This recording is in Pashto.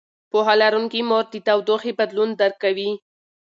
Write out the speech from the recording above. پوهه لرونکې مور د تودوخې بدلون درک کوي.